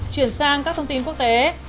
chuyển sang các thông tin quốc tế